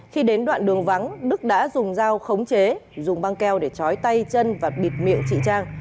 khi đến đoạn đường vắng đức đã dùng dao khống chế dùng băng keo để chói tay chân và bịt miệng chỉ trang